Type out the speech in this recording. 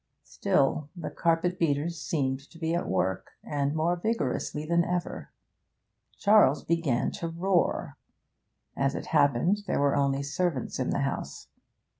Still the carpet beaters seemed to be at work, and more vigorously than ever. Charles began to roar. As it happened, there were only servants in the house.